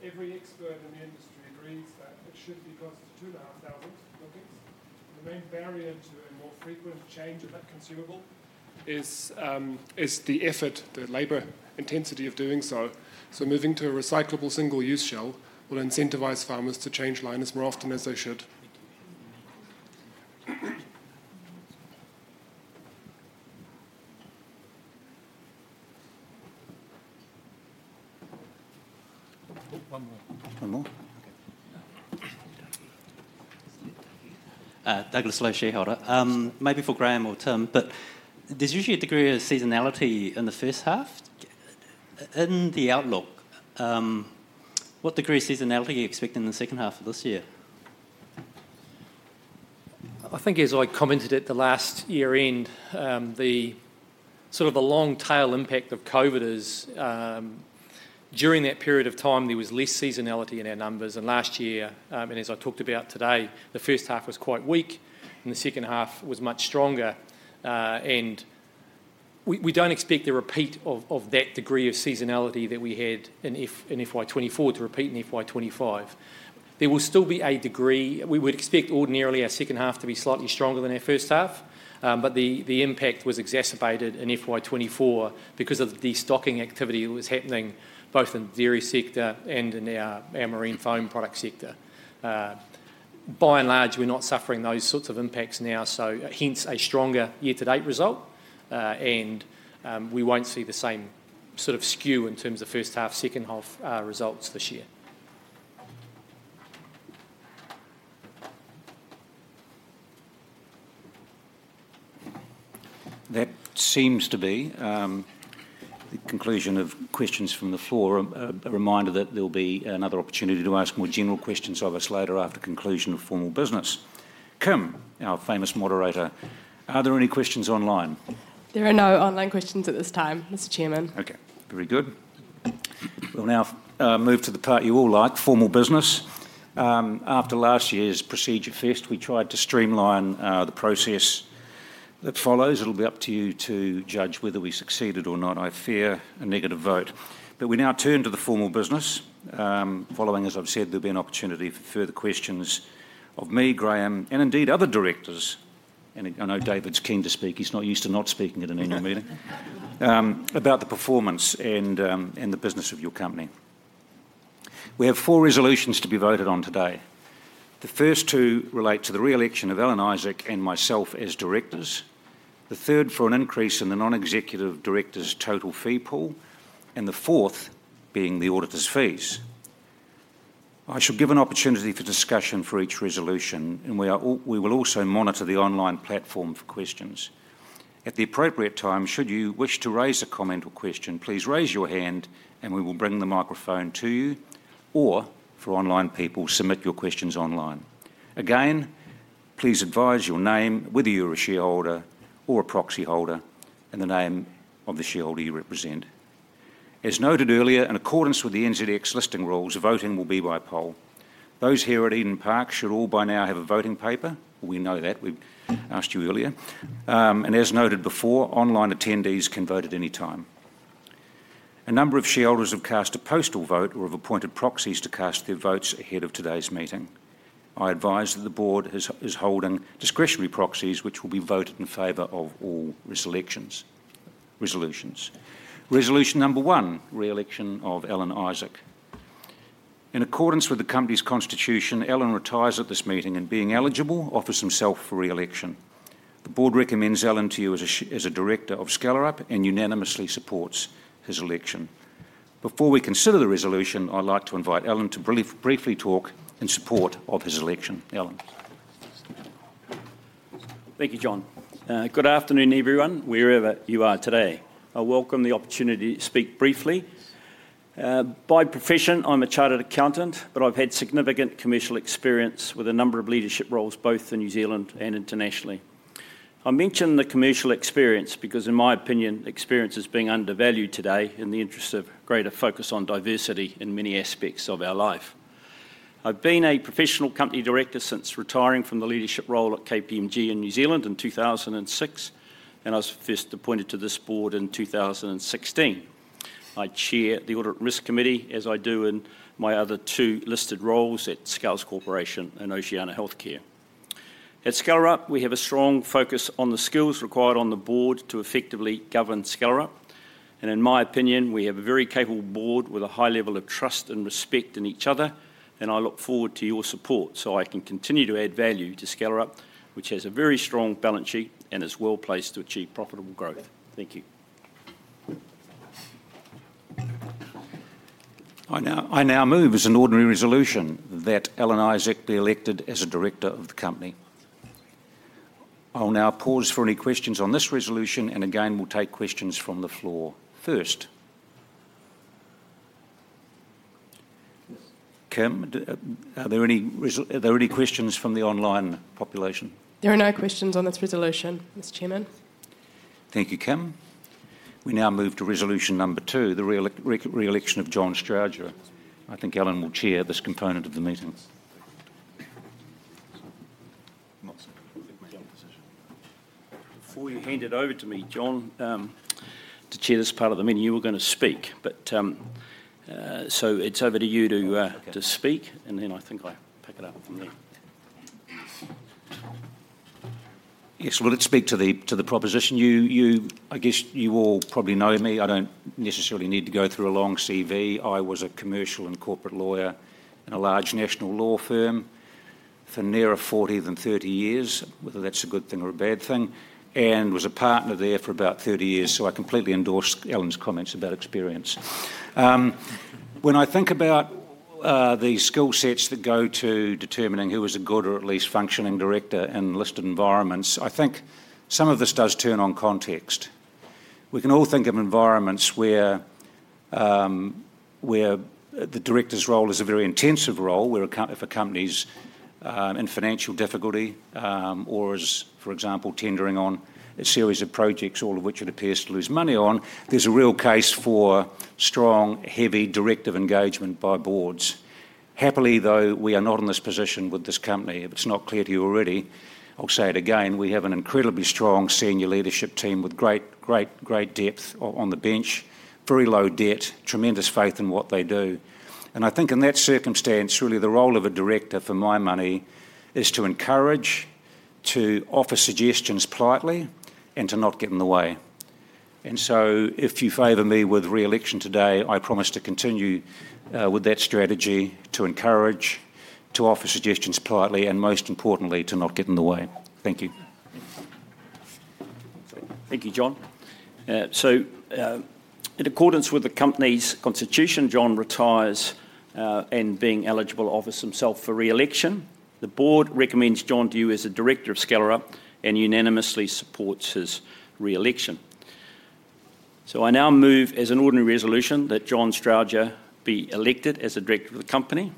Every expert in the industry agrees that it should be closer to 2,500 milkings. The main barrier to a more frequent change of that consumable is the effort, the labor intensity of doing so. So moving to a recyclable single-use shell will incentivize farmers to change liners more often as they should. One more. One more? Okay. Douglas Lowe, shareholder. Maybe for Graham or Tim, but there's usually a degree of seasonality in the first half. In the outlook, what degree of seasonality are you expecting in the second half of this year? I think as I commented at the last year-end, the sort of a long tail impact of COVID is, during that period of time, there was less seasonality in our numbers. Last year, as I talked about today, the first half was quite weak, and the second half was much stronger. We don't expect a repeat of that degree of seasonality that we had in FY 2024 to repeat in FY 2025. There will still be a degree. We would expect ordinarily our second half to be slightly stronger than our first half. The impact was exacerbated in FY 2024 because of the restocking activity that was happening both in the dairy sector and in our marine foam product sector. By and large, we're not suffering those sorts of impacts now, so hence a stronger year-to-date result, and we won't see the same sort of skew in terms of first half, second half, results this year. That seems to be the conclusion of questions from the floor. A reminder that there'll be another opportunity to ask more general questions of us later after conclusion of formal business. Kim, our famous moderator, are there any questions online? There are no online questions at this time, Mr. Chairman. Okay, very good. We'll now move to the part you all like, formal business. After last year's procedure fest, we tried to streamline the process that follows. It'll be up to you to judge whether we succeeded or not. I fear a negative vote. But we now turn to the formal business. Following, as I've said, there'll be an opportunity for further questions of me, Graham, and indeed other directors, and I know David's keen to speak. He's not used to not speaking at an annual meeting about the performance and the business of your company. We have four resolutions to be voted on today. The first two relate to the re-election of Alan Isaac and myself as directors, the third for an increase in the non-executive directors' total fee pool, and the fourth being the auditors' fees. I shall give an opportunity for discussion for each resolution, and we will also monitor the online platform for questions. At the appropriate time, should you wish to raise a comment or question, please raise your hand and we will bring the microphone to you, or for online people, submit your questions online. Again, please advise your name, whether you're a shareholder or a proxyholder, and the name of the shareholder you represent. As noted earlier, in accordance with the NZX listing rules, the voting will be by poll. Those here at Eden Park should all by now have a voting paper. We know that. We asked you earlier, and as noted before, online attendees can vote at any time. A number of shareholders have cast a postal vote or have appointed proxies to cast their votes ahead of today's meeting. I advise that the board is holding discretionary proxies, which will be voted in favor of all resolutions. Resolution number one, re-election of Alan Isaac. In accordance with the company's constitution, Alan retires at this meeting, and being eligible, offers himself for re-election. The board recommends Alan to you as a director of Scalar Up and unanimously supports his election. Before we consider the resolution, I'd like to invite Alan to briefly talk in support of his election. Alan? Thank you, John. Good afternoon, everyone, wherever you are today. I welcome the opportunity to speak briefly. By profession, I'm a chartered accountant, but I've had significant commercial experience with a number of leadership roles, both in New Zealand and internationally. I mention the commercial experience because, in my opinion, experience is being undervalued today in the interest of greater focus on diversity in many aspects of our life. I've been a professional company director since retiring from the leadership role at KPMG in New Zealand in 2006, and I was first appointed to this board in 2016. I chair the Audit and Risk Committee, as I do in my other two listed roles at Scales Corporation and Oceania Healthcare. At Skellerup, we have a strong focus on the skills required on the board to effectively govern Skellerup, and in my opinion, we have a very capable board with a high level of trust and respect in each other, and I look forward to your support so I can continue to add value to Skellerup, which has a very strong balance sheet and is well-placed to achieve profitable growth. Thank you. I now move as an ordinary resolution that Alan Isaac be elected as a director of the company. I will now pause for any questions on this resolution, and again, we'll take questions from the floor first. Kim, are there any questions from the online population? There are no questions on this resolution, Mr. Chairman. Thank you, Kim. We now move to resolution number two, the re-election of John Strowger. I think Alan will chair this component of the meeting. Before you hand it over to me, John, to chair this part of the meeting, you were gonna speak, but so it's over to you to speak, and then I think I pick it up from there. Yes, well, let's speak to the proposition. I guess you all probably know me. I don't necessarily need to go through a long CV. I was a commercial and corporate lawyer in a large national law firm for nearer forty than thirty years, whether that's a good thing or a bad thing, and was a partner there for about thirty years, so I completely endorse Alan's comments about experience. When I think about the skill sets that go to determining who is a good or at least functioning director in listed environments, I think some of this does turn on context. We can all think of environments where the director's role is a very intensive role, where a company, if a company's in financial difficulty, or is, for example, tendering on a series of projects, all of which it appears to lose money on, there's a real case for strong, heavy, directive engagement by boards. Happily, though, we are not in this position with this company. If it's not clear to you already, I'll say it again, we have an incredibly strong senior leadership team with great depth on the bench, very low debt, tremendous faith in what they do. And I think in that circumstance, really, the role of a director, for my money, is to encourage, to offer suggestions politely, and to not get in the way. And so if you favor me with re-election today, I promise to continue with that strategy, to encourage, to offer suggestions politely, and most importantly, to not get in the way. Thank you. Thank you, John. So, in accordance with the company's constitution, John retires, and being eligible, offers himself for re-election. The board recommends John to you as a director of Skellerup and unanimously supports his re-election. So I now move as an ordinary resolution that John Strowger be elected as a director of the company.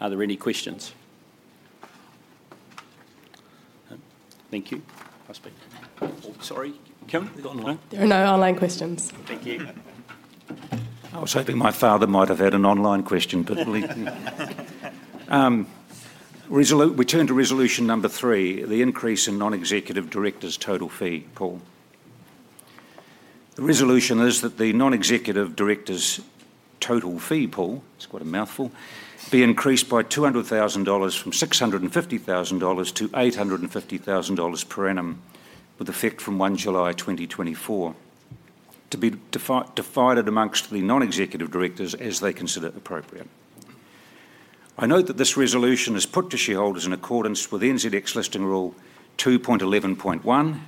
Are there any questions? Thank you. I speak. Sorry, Kim, online? No online questions. Thank you. I was hoping my father might have had an online question, but we turn to resolution number three, the increase in non-executive director's total fee pool. The resolution is that the non-executive director's total fee pool, it's quite a mouthful, be increased by 200,000 dollars from 650,000 dollars to 850,000 dollars per annum, with effect from 1 July 2024, to be divided amongst the non-executive directors as they consider appropriate. I note that this resolution is put to shareholders in accordance with NZX Listing Rule 2.11.1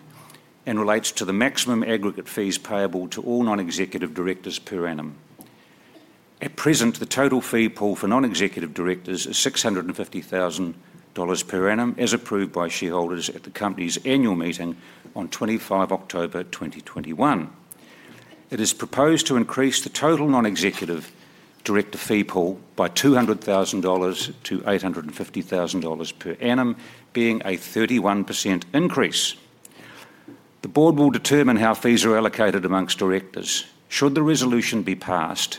and relates to the maximum aggregate fees payable to all non-executive directors per annum. At present, the total fee pool for non-executive directors is 650,000 dollars per annum, as approved by shareholders at the company's annual meeting on 25 October 2021. It is proposed to increase the total non-executive director fee pool by 200,000 dollars to 850,000 dollars per annum, being a 31% increase. The board will determine how fees are allocated among directors. Should the resolution be passed,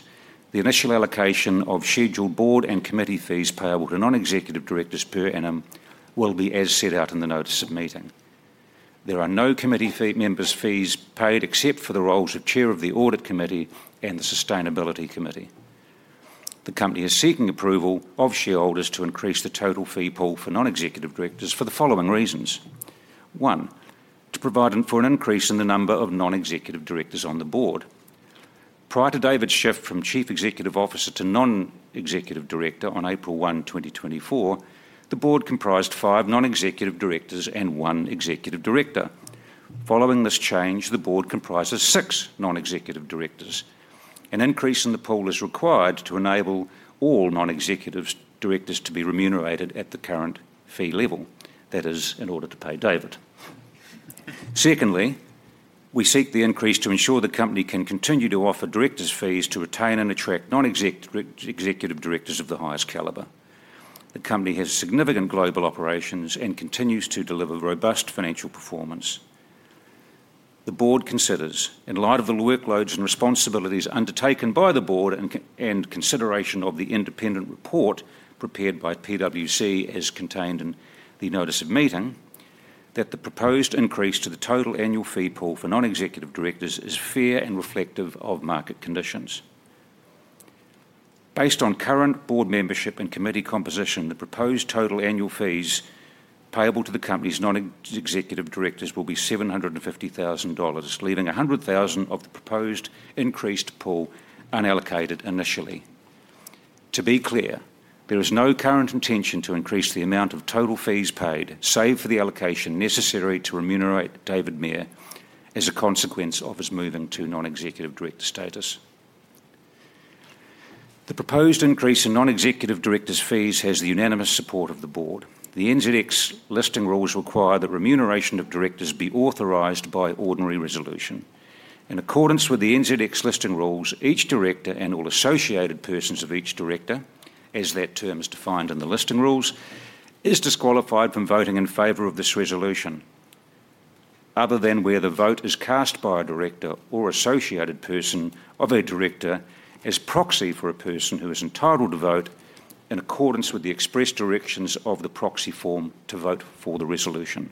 the initial allocation of scheduled board and committee fees payable to non-executive directors per annum will be as set out in the notice of meeting. There are no committee fee, members' fees paid except for the roles of Chair of the Audit Committee and the Sustainability Committee. The company is seeking approval of shareholders to increase the total fee pool for non-executive directors for the following reasons: One, to provide for an increase in the number of non-executive directors on the board. Prior to David Mair from Chief Executive Officer to non-executive director on April 1, 2024, the board comprised five non-executive directors and one executive director. Following this change, the board comprises six non-executive directors. An increase in the pool is required to enable all non-executive directors to be remunerated at the current fee level, that is, in order to pay David. Secondly, we seek the increase to ensure the company can continue to offer directors' fees to retain and attract non-executive directors of the highest caliber. The company has significant global operations and continues to deliver robust financial performance. The board considers, in light of the workloads and responsibilities undertaken by the board and consideration of the independent report prepared by PwC as contained in the notice of meeting, that the proposed increase to the total annual fee pool for non-executive directors is fair and reflective of market conditions. Based on current board membership and committee composition, the proposed total annual fees payable to the company's non-executive directors will be 750,000 dollars, leaving 100,000 of the proposed increased pool unallocated initially. To be clear, there is no current intention to increase the amount of total fees paid, save for the allocation necessary to remunerate David Mair as a consequence of his moving to non-executive director status. The proposed increase in non-executive directors' fees has the unanimous support of the board. The NZX Listing Rules require that remuneration of directors be authorized by ordinary resolution. In accordance with the NZX Listing Rules, each director and all associated persons of each director, as that term is defined in the Listing Rules, is disqualified from voting in favor of this resolution, other than where the vote is cast by a director or associated person of a director as proxy for a person who is entitled to vote in accordance with the express directions of the proxy form to vote for the resolution.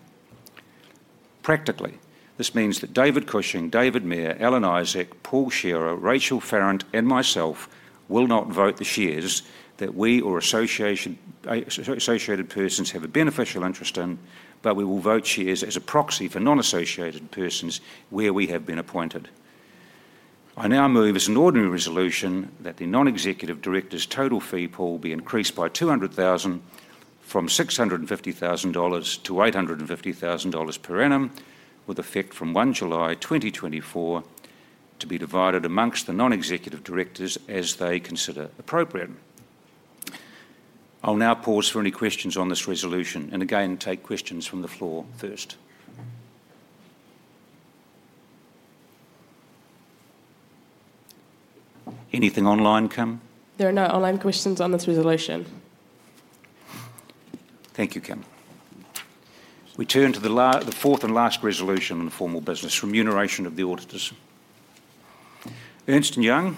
Practically, this means that David Cushing, David Mair, Alan Isaac, Paul Shearer, Rachel Farrant, and myself will not vote the shares that we or our associated persons have a beneficial interest in, but we will vote shares as a proxy for non-associated persons where we have been appointed. I now move as an ordinary resolution that the non-executive director's total fee pool be increased by 200,000 from 650,000 dollars to 850,000 dollars per annum, with effect from 1 July 2024, to be divided among the non-executive directors as they consider appropriate. I'll now pause for any questions on this resolution, and again, take questions from the floor first. Anything online, Kim? There are no online questions on this resolution. Thank you, Kim. We turn to the fourth and last resolution in the formal business: remuneration of the auditors. Ernst & Young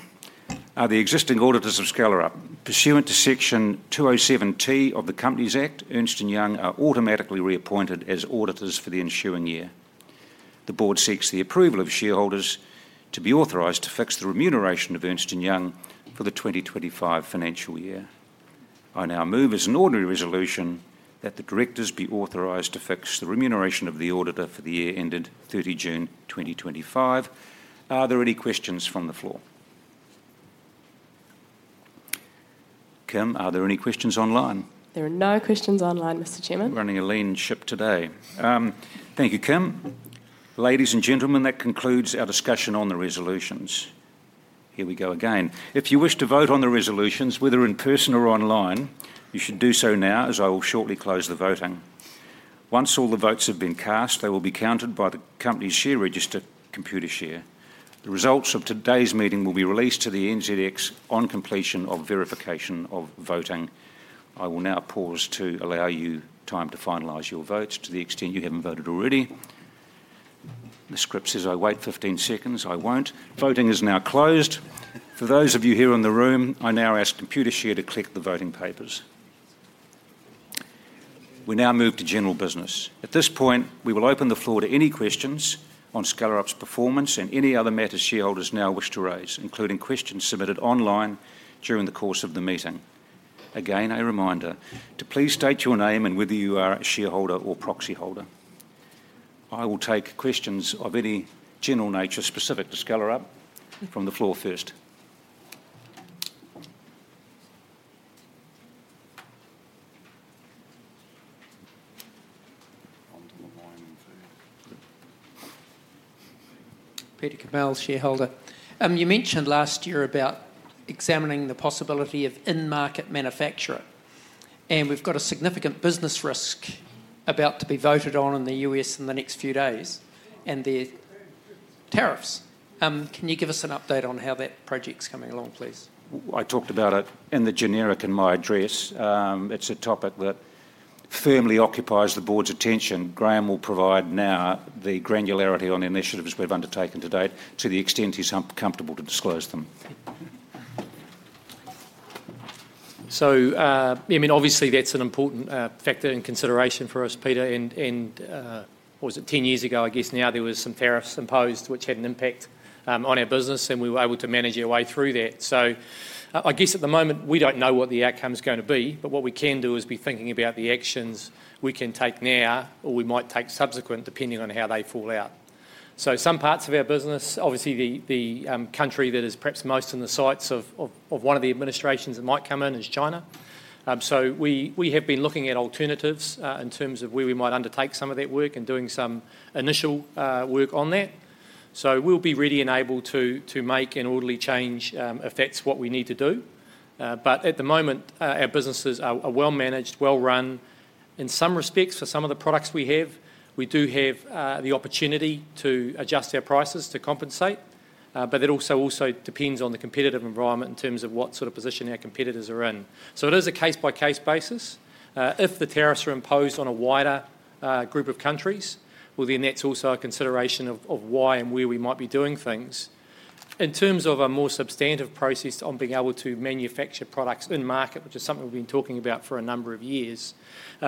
are the existing auditors of Skellerup. Pursuant to Section 207T of the Companies Act, Ernst & Young are automatically reappointed as auditors for the ensuing year. The board seeks the approval of shareholders to be authorized to fix the remuneration of Ernst & Young for the 2025 financial year. I now move as an ordinary resolution that the directors be authorized to fix the remuneration of the auditor for the year ended Thirty June 2025. Are there any questions from the floor? Kim, are there any questions online? There are no questions online, Mr. Chairman. Running a lean ship today. Thank you, Kim. Ladies and gentlemen, that concludes our discussion on the resolutions. Here we go again. If you wish to vote on the resolutions, whether in person or online, you should do so now, as I will shortly close the voting. Once all the votes have been cast, they will be counted by the company's share register, Computershare. The results of today's meeting will be released to the NZX on completion of verification of voting. I will now pause to allow you time to finalize your votes, to the extent you haven't voted already. The script says I wait 15 seconds. I won't. Voting is now closed. For those of you here in the room, I now ask Computershare to collect the voting papers. We now move to general business. At this point, we will open the floor to any questions on Skellerup's performance and any other matter shareholders now wish to raise, including questions submitted online during the course of the meeting. Again, a reminder to please state your name and whether you are a shareholder or proxyholder. I will take questions of any general nature specific to Skellerup from the floor first. Peter Kamel, shareholder. You mentioned last year about examining the possibility of in-market manufacturer, and we've got a significant business risk about to be voted on in the U.S. in the next few days, and the tariffs. Can you give us an update on how that project's coming along, please? I talked about it in general in my address. It's a topic that firmly occupies the board's attention. Graham will provide now the granularity on the initiatives we've undertaken to date, to the extent he's comfortable to disclose them. So, I mean, obviously that's an important factor and consideration for us, Peter, and what was it? Ten years ago, I guess now, there was some tariffs imposed which had an impact on our business, and we were able to manage our way through that. So, I guess at the moment, we don't know what the outcome's gonna be, but what we can do is be thinking about the actions we can take now or we might take subsequent, depending on how they fall out. So some parts of our business, obviously, the country that is perhaps most in the sights of one of the administrations that might come in is China. So we have been looking at alternatives in terms of where we might undertake some of that work and doing some initial work on that. So we'll be ready and able to make an orderly change if that's what we need to do. But at the moment our businesses are well-managed, well-run. In some respects, for some of the products we have, we do have the opportunity to adjust our prices to compensate. But that also depends on the competitive environment in terms of what sort of position our competitors are in. So it is a case-by-case basis. If the tariffs are imposed on a wider group of countries, well, then that's also a consideration of why and where we might be doing things. In terms of a more substantive process on being able to manufacture products in-market, which is something we've been talking about for a number of years,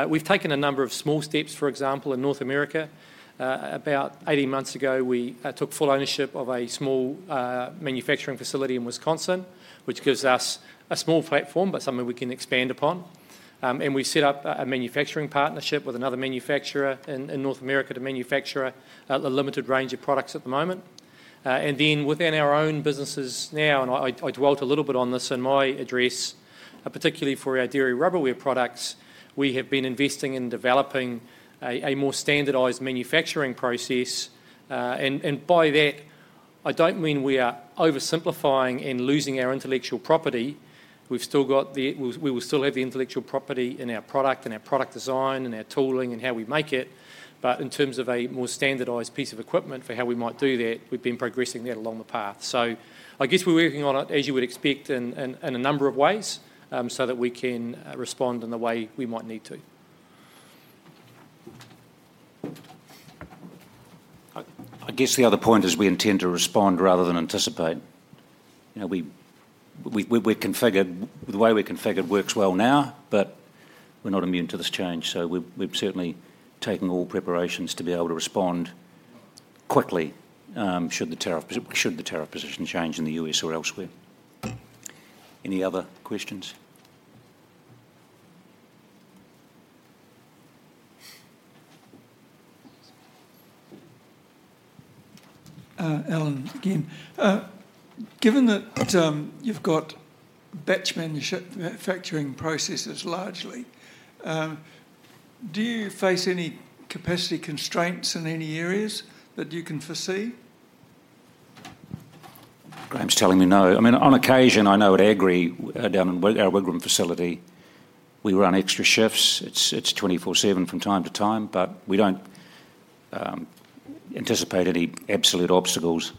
we've taken a number of small steps. For example, in North America, about 18 months ago, we took full ownership of a small manufacturing facility in Wisconsin, which gives us a small platform but something we can expand upon. And we set up a manufacturing partnership with another manufacturer in North America to manufacture a limited range of products at the moment. And then within our own businesses now, and I dwelt a little bit on this in my address, particularly for our dairy rubberware products, we have been investing in developing a more standardized manufacturing process. And by that, I don't mean we are oversimplifying and losing our intellectual property. We've still got the intellectual property in our product, in our product design, in our tooling, and how we make it. But in terms of a more standardized piece of equipment for how we might do that, we've been progressing that along the path. So I guess we're working on it, as you would expect, in a number of ways, so that we can respond in the way we might need to. I guess the other point is we intend to respond rather than anticipate. You know, we're configured, the way we're configured works well now, but we're not immune to this change, so we've certainly taken all preparations to be able to respond quickly, should the tariff position change in the U.S. or elsewhere. Any other questions? Alan again. Given that, you've got batch manufacturing processes largely, do you face any capacity constraints in any areas that you can foresee? Graham's telling me no. I mean, on occasion, I know at Agri, down in our Wigram facility, we run extra shifts. It's 24/7 from time to time, but we don't anticipate any absolute obstacles.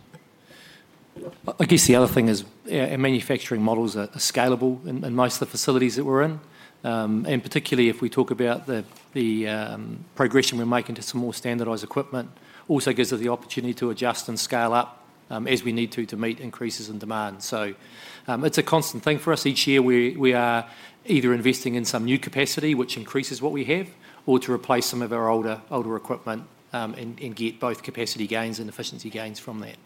I guess the other thing is, our manufacturing models are scalable in most of the facilities that we're in, and particularly if we talk about the progression we're making to some more standardized equipment, also gives us the opportunity to adjust and scale up as we need to to meet increases in demand, so it's a constant thing for us. Each year we are either investing in some new capacity, which increases what we have, or to replace some of our older equipment and get both capacity gains and efficiency gains from that.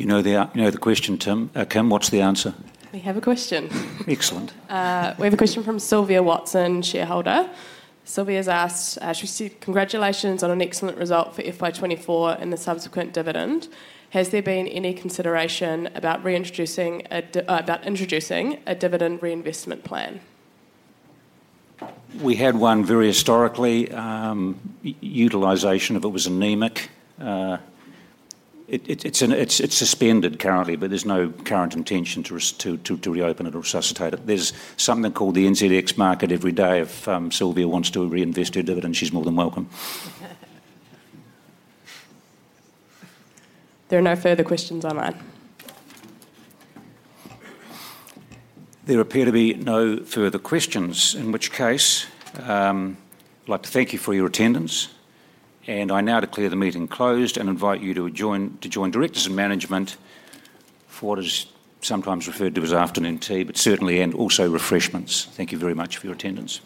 You know the question, Tim, Kim, what's the answer? We have a question. Excellent. We have a question from Sylvia Watson, shareholder. Sylvia has asked, she said, "Congratulations on an excellent result for FY 2024 and the subsequent dividend. Has there been any consideration about reintroducing a, about introducing a dividend reinvestment plan? We had one very historically. Utilization of it was anemic. It is suspended currently, but there's no current intention to reopen it or resuscitate it. There's something called the NZX Market every day. If Sylvia wants to reinvest her dividend, she's more than welcome. There are no further questions online. There appear to be no further questions, in which case, I'd like to thank you for your attendance, and I now declare the meeting closed and invite you to join directors and management for what is sometimes referred to as afternoon tea, but certainly and also refreshments. Thank you very much for your attendance.